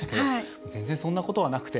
全然そんなことはなくて。